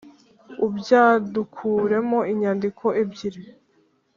ubyandukuremo inyandiko ebyiri,